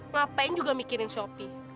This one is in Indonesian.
ngapain juga mikirin si opi